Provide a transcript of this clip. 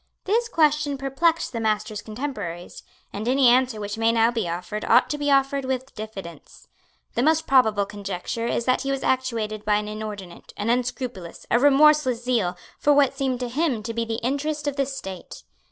This question perplexed the Master's contemporaries; and any answer which may now be offered ought to be offered with diffidence. The most probable conjecture is that he was actuated by an inordinate, an unscrupulous, a remorseless zeal for what seemed to him to be the interest of the state.